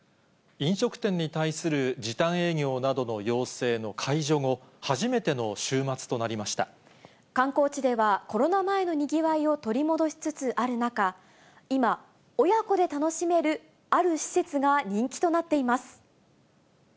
飲食店に対する時短営業などの要請の解除後、観光地ではコロナ前のにぎわいを取り戻しつつある中、今、親子で楽しめるある施設が人気となっています。